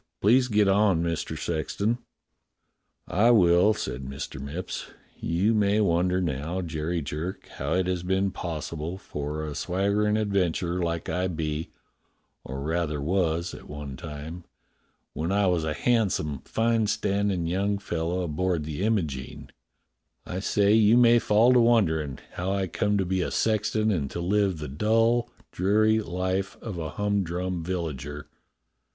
"Please get on, Mister Sexton." "I will," said Mr. Mipps. "You may wonder now, Jerry Jerk, how it has been possible for a swaggerin' adventurer like I be, or rather was one time, when I was a handsome, fine standin* young fellow aboard the Imogene — I say you may fall to wonderin' how I come to be a sexton and to live the dull, dreary life of a hum drum villager.